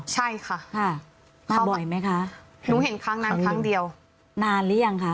ใจค่ะว่าบ่อยไหมคะเห็นทั้งด้านครั้งเดียวนานหรือยัง